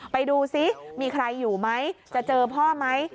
ไปดูซิมีใครอยู่ไหมจะเจอพ่อไหม